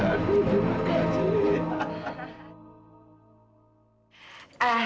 aduh terima kasih